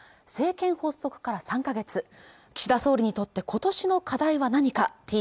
政権発足から３カ月、岸田総理にとって今年の課題は何か。